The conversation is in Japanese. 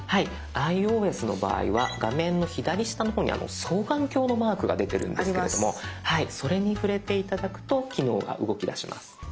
アイオーエスの場合は画面の左下の方に双眼鏡のマークが出てるんですけれどもそれに触れて頂くと機能が動きだします。